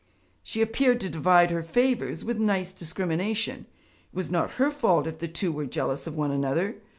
She appeared to divide her favours with nice discrimination; it was not her fault if the two were jealous of one another.